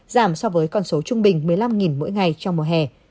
giảm so với con số trung bình một mươi năm mỗi ngày trong mùa hè